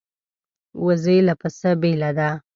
وزې له پسه بېله ده